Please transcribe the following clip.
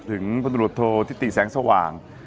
ถึงตรวจโทษทิตย์แสงสว่าง